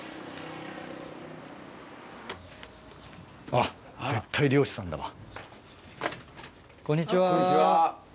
あっ絶対漁師さんだわ。